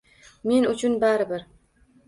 Men uchun bari-bir.